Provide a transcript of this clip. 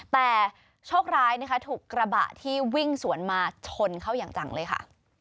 แต่โชคร้ายนะคะถูกกระบะที่วิ่งสวนมาชนเข้าอย่างจังเลยค่ะ